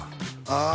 ああ